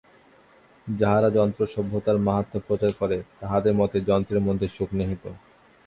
যাহারা যন্ত্রসভ্যতার মাহাত্ম্য প্রচার করে, তাহাদের মতে যন্ত্রের মধ্যেই সুখ নিহিত।